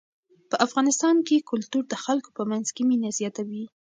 په افغانستان کې کلتور د خلکو په منځ کې مینه زیاتوي.